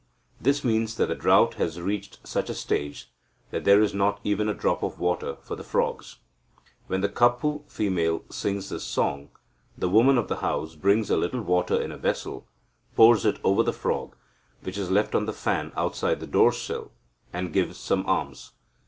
This means that the drought has reached such a stage that there is not even a drop of water for the frogs. When the Kapu female sings this song, the woman of the house brings a little water in a vessel, pours it over the frog, which is left on the fan outside the door sill, and gives some alms.